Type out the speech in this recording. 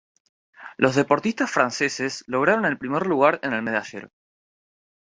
Los deportistas franceses lograron el primer lugar en el medallero.